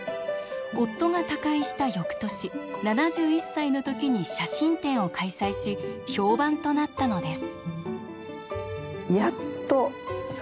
夫が他界した翌年７１歳の時に写真展を開催し評判となったのです。